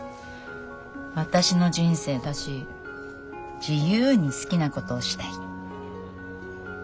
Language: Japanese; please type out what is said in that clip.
私の人生だし自由に好きなことをしたい。